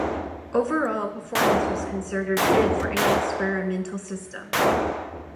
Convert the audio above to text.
Overall performance was considered good for an experimental system.